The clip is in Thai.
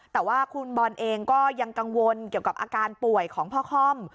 แต่ว่าคุณบอลเองก็ยังกังวลเกี่ยวกับอาการป่วยของพ่อค่อม